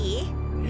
え？